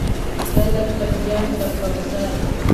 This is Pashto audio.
تۀ لکه جام د کوثر !